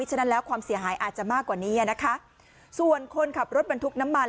ฉะนั้นแล้วความเสียหายอาจจะมากกว่านี้อ่ะนะคะส่วนคนขับรถบรรทุกน้ำมัน